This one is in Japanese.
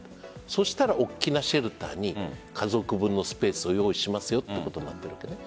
そうしたら大きなシェルターに家族分のスペースを用意しますよということになっているわけです。